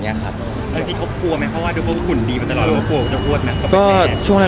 จริงเขากลัวไหมดูว่าหุ่นดีกว่าจะอ้วนไหม